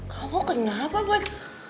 kamu kenapa buat